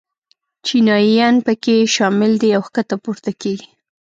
چینایي ین په کې شامل دي او ښکته پورته کېږي.